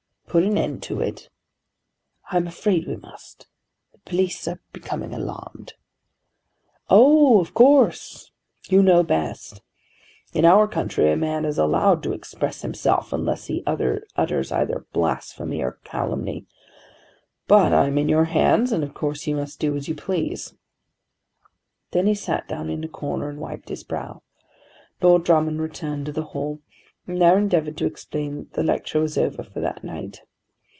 "Put an end to it?" "I am afraid we must. The police are becoming alarmed." "Oh, of course; you know best. In our country a man is allowed to express himself unless he utters either blasphemy or calumny. But I am in your hands and of course you must do as you please." Then he sat down in a corner, and wiped his brow. Lord Drummond returned to the hall, and there endeavoured to explain that the lecture was over for that night.